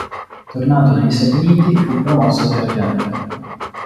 Tornato negli Stati Uniti fu promosso sergente.